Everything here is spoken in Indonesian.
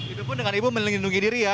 itu pun dengan ibu melindungi diri ya